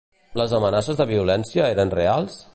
Les amenaces de violència eren reals?